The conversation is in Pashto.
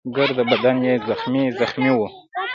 ګرده بدن يې زخمي زخمي وو.